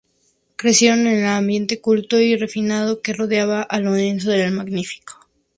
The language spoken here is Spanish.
Crecieron en el ambiente culto y refinado que rodeaba a Lorenzo el Magnífico.